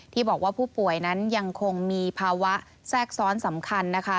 ที่บอกว่าผู้ป่วยนั้นยังคงมีภาวะแทรกซ้อนสำคัญนะคะ